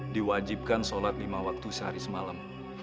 diwajibkan sholat lima waktu sehari semalam